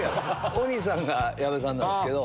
鬼さんが矢部さんなんですけど。